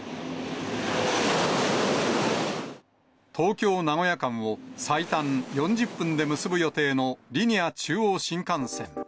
東京・名古屋間を最短４０分で結ぶ予定のリニア中央新幹線。